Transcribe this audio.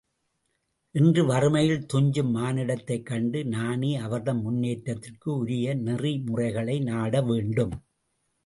இன்று வறுமையில் துஞ்சும் மானுடத்தைக் கண்டு நாணி அவர்தம் முன்னேற்றத்திற்கு உரிய நெறி முறைகளை நாடவேண்டும்.